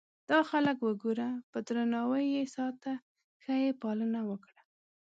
دا خلک وګوره په درناوي یې ساته ښه یې پالنه وکړه.